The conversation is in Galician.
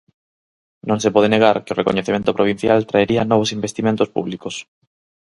Non se pode negar que o recoñecemento provincial traería novos investimentos públicos.